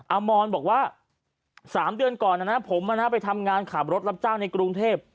อมรบอกว่า๓เดือนก่อนนะผมไปทำงานขับรถรับจ้างในกรุงเทพ